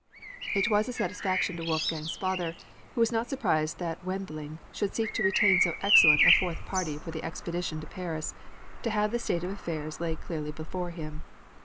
It was a satisfaction to Wolfgang's father, who was not surprised that Wendling should seek to retain so excellent a fourth party for the expedition to Paris, to have the state of affairs laid clearly before him.